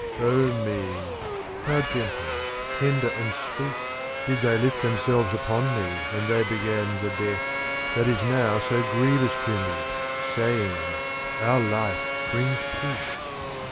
Oh me ! how gentle, tender and sweet did they lift themselves upon me when they began the death that is now so grievous to me, saying :' Our light brings peace.'